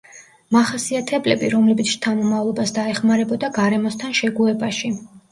მახასიათებლები, რომლებიც შთამომავლობას დაეხმარებოდა გარემოსთან შეგუებაში.